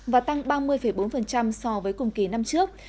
và tăng ba mươi bốn so với cùng kỳ năm trước